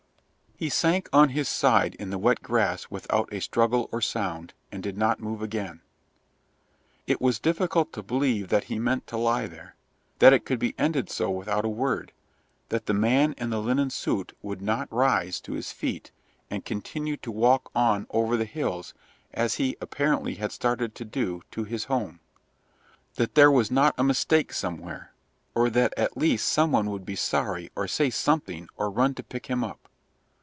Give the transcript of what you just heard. He sank on his side in the wet grass without a struggle or sound, and did not move again. It was difficult to believe that he meant to lie there, that it could be ended so without a word, that the man in the linen suit would not rise to his feet and continue to walk on over the hills, as he apparently had started to do, to his home; that there was not a mistake somewhere, or that at least some one would be sorry or say something or run to pick him up.